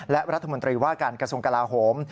และรัฐมนตรีว่าการกระทรวงกลาโหม